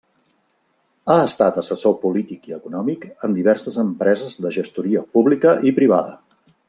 Ha estat assessor polític i econòmic en diverses empreses de gestoria pública i privada.